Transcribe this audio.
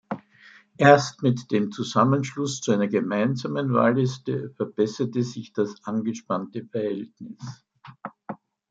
Erst mit dem Zusammenschluss zu einer gemeinsamen Wahlliste verbesserte sich das angespannte Verhältnis.